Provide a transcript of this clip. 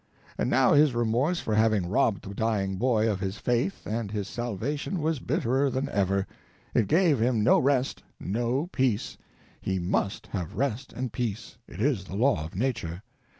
And now his remorse for having robbed the dying boy of his faith and his salvation was bitterer than ever. It gave him no rest, no peace. He must have rest and peace—it is the law of nature.